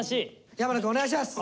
矢花くんお願いします。